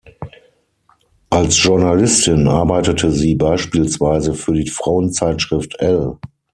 Als Journalistin arbeitete sie beispielsweise für die Frauenzeitschrift "Elle".